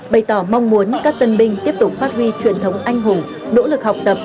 bày tỏ mong muốn các tân binh tiếp tục phát huy truyền thống anh hùng nỗ lực học tập